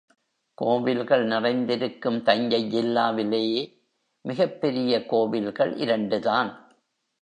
கோவில்கள் நிறைந்திருக்கும் தஞ்சை ஜில்லாவிலே மிகப் பெரிய கோவில்கள் இரண்டு தான்.